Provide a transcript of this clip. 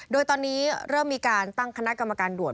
โดยตอนนี้เริ่มมีการตั้งคณะกรรมการด่วน